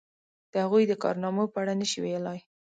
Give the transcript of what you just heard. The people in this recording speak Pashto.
د هغوی د کارنامو په اړه نشي ویلای.